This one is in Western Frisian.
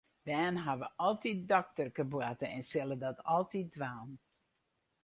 Bern hawwe altyd dokterkeboarte en sille dat altyd dwaan.